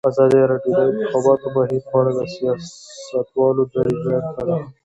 ازادي راډیو د د انتخاباتو بهیر په اړه د سیاستوالو دریځ بیان کړی.